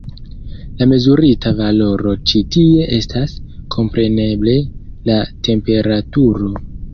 La mezurita valoro ĉi tie estas, kompreneble, la temperaturo.